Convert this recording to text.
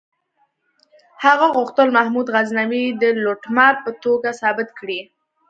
هغه غوښتل محمود غزنوي د لوټمار په توګه ثابت کړي.